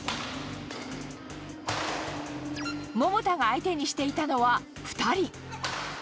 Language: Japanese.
桃田が相手にしていたのは２人。